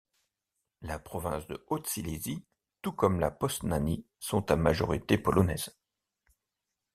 La province de Haute-Silésie, tout comme la Posnanie, sont à majorité polonaise.